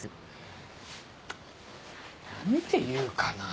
何で言うかなぁ